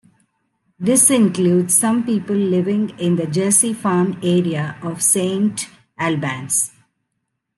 This includes some people living in the Jersey Farm area of Saint Albans.